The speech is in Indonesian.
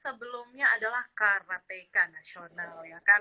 sebelumnya adalah karateka nasional